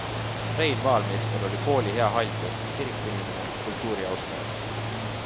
Rein Maalmeister oli kooli hea haldjas, kirikuinimene, kultuuriaustaja.